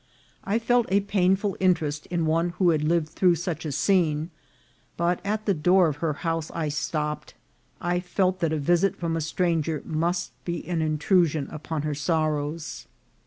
I felt a painful interest in one who had lived through such a scene, but at the door of her house I stopped. I felt that a visit from a stranger must be an intrusion upon her sorrows.